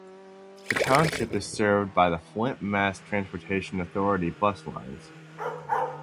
The township is served by the Flint Mass Transportation Authority bus lines.